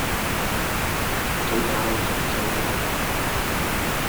早搞早收工